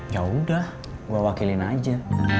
yaudah gue wakilin aja